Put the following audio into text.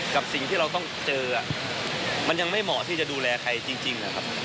กับสิ่งที่เราต้องเจอมันยังไม่เหมาะที่จะดูแลใครจริงนะครับ